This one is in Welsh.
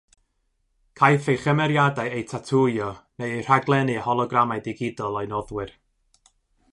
Caiff ei chymeriadau eu tatŵio neu eu rhaglennu â hologramau digidol o'u noddwyr.